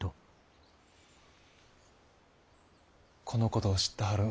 このことを知ったはるんは？